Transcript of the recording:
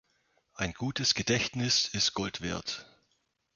Ein gutes Gedächtnis ist Gold wert.